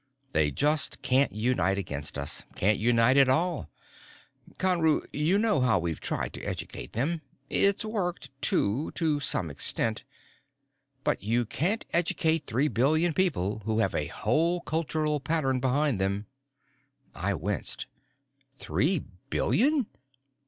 "They just can't unite against us, can't unite at all. Conru, you know how we've tried to educate them. It's worked, too, to some extent. But you can't educate three billion people who have a whole cultural pattern behind them." I winced. "Three billion?"